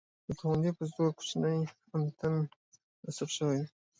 د توغندي په وزرو کې کوچنی انتن نصب شوی وو